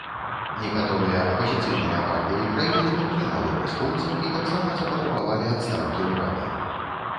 Некаторыя апазіцыйныя партыі краіны падтрымалі вайскоўцаў і таксама запатрабавалі адстаўкі ўрада.